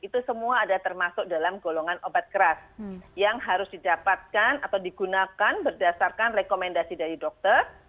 itu semua ada termasuk dalam golongan obat keras yang harus didapatkan atau digunakan berdasarkan rekomendasi dari dokter